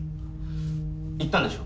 行ったんでしょ？